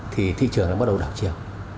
thì thị trường nó bắt đầu đảo chiều